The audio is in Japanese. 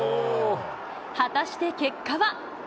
果たして結果は。